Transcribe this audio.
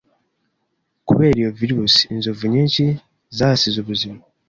Kubera iyo virusi, inzovu nyinshi zahasize ubuzima.